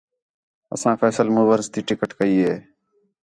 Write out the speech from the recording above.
اَساں فیصل مؤورز تی ٹکٹ کَئی ہے